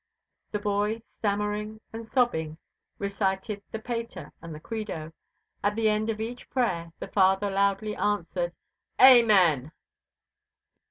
The boy, stammering and sobbing, recited the Pater and the Credo. At the end of each prayer the father loudly answered, "Amen!"